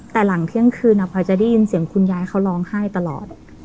แต่หลังเที่ยงคืนพลอยจะได้ยินเสียงคุณยายเขาร้องไห้ตลอด